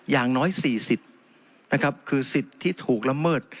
อย่างน้อย๔๐นะครับคือสิทธิ์ที่ถูกละเมิด